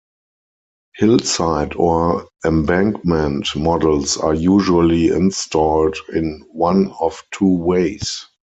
Hillside or embankment models are usually installed in one of two ways.